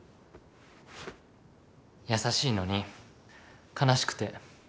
優しいのに悲しくて。